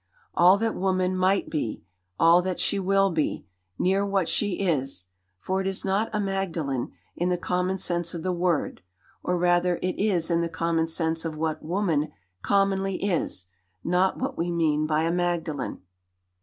All that woman might be, all that she will be, near what she is; for it is not a Magdalen, in the common sense of the word, or rather it is in the common sense of what woman commonly is not what we mean by a Magdalen."